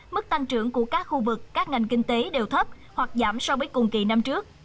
mức tăng trưởng của các khu vực các ngành kinh tế đều thấp hoặc giảm so với cùng kỳ năm trước